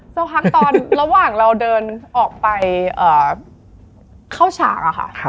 สักพักตอนระหว่างเราเดินออกไปเข้าฉากอะค่ะ